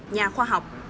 nhà khoa học